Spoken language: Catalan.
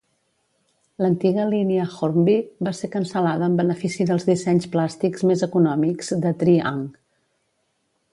L'antiga línia Hornby va ser cancel·lada en benefici dels dissenys plàstics més econòmics de Tri-ang.